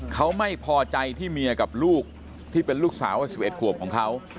เขาไม่พอใจที่เมียกับลูกที่เป็นลูกสาวว่า๑๑ขวบของเขา